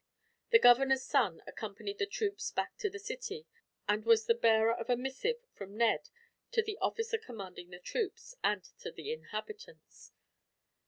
The governor's son accompanied the troops back to the city, and was the bearer of a missive from Ned to the officer commanding the troops, and to the inhabitants.